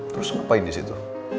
terus ngapain di situ